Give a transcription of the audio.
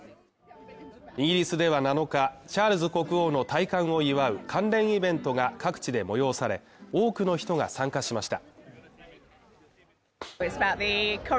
イギリスでは７日、チャールズ国王の戴冠を祝う関連イベントが各地で催され、多くの人が参加しました。